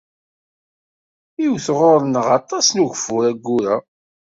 Iwet ɣur-neɣ aṭas n ugeffur ayyur-a.